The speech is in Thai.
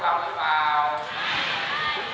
เราก็คิดถึงหนึ่ง